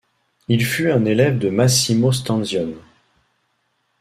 Il fut un élève de Massimo Stanzione.